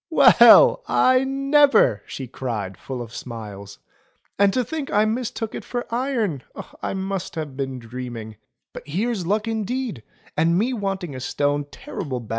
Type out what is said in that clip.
"Well! I never!" she cried, full of smiles. "And to think I mistook it for iron. I must have been dreaming. But here's luck indeed, and me wanting a stone terrible bad " Well